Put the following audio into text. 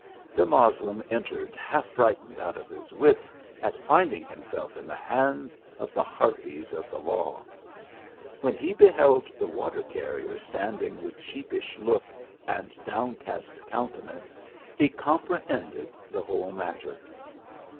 The Moslem entered half frightened out of his wits at finding himself in the hands of the harpies of the law. When he beheld the water carrier standing with sheepish look and downcast countenance, he comprehended the whole matter.